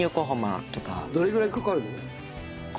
どれぐらいかかるの？